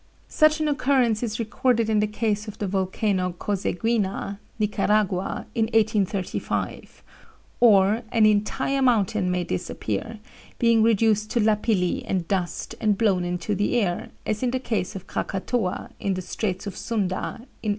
Such an occurrence is recorded in the case of the volcano Coseguina, Nicaragua, in 1835. Or, an entire mountain may disappear, being reduced to lapilli and dust and blown into the air, as in the case of Krakatoa, in the Straits of Sunda, in 1883.